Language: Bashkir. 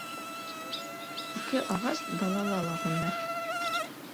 Ике ағас далала ла һүнмәҫ.